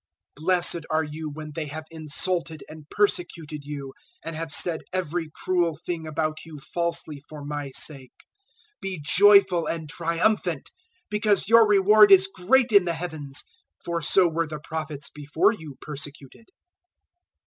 005:011 "Blessed are you when they have insulted and persecuted you, and have said every cruel thing about you falsely for my sake. 005:012 Be joyful and triumphant, because your reward is great in the Heavens; for so were the Prophets before you persecuted.